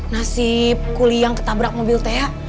nasib kuliah yang ketabrak mobil teh